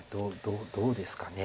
どうですかね。